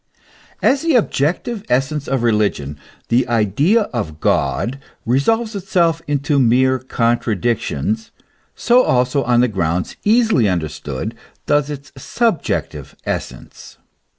As the objective essence of religion, the idea of God, resolves itself into mere contradictions, so also, on grounds easily un derstood, does its subjective essence.